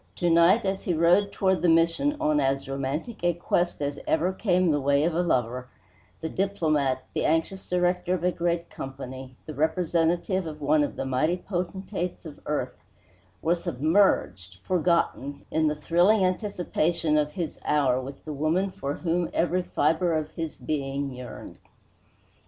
To night, as he rode toward the Mission on as romantic a quest as ever came the way of a lover, the diplomat, the anxious director of a great Company, the representative of one of the mighty potentates of earth, were submerged, forgotten, in the thrilling anticipation of his hour with the woman for whom every fiber of his being yearned.